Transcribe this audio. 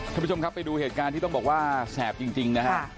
ท่านผู้ชมครับไปดูเหตุการณ์ที่ต้องบอกว่าแสบจริงนะฮะ